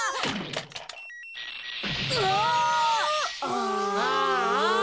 ああ。